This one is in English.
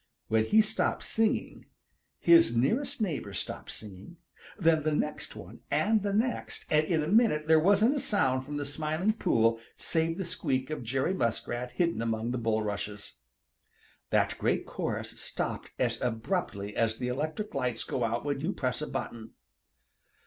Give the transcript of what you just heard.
When he stopped singing, his nearest neighbor stopped singing, then the next one and the next, and in a minute there wasn't a sound from the Smiling Pool save the squeak of Jerry Muskrat hidden among the bulrushes. That great chorus stopped as abruptly as the electric lights go out when you press a button.